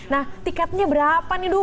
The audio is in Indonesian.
nah tiketnya berapa nih dok